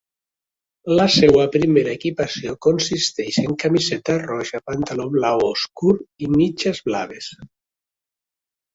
La seua primera equipació consistix en camiseta roja, pantaló blau obscur i mitges blaves.